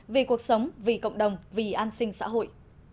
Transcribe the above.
vì cuộc sống vì cộng đồng vì an sinh xã hội